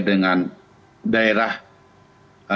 dengan daerah anak lelaki itu ya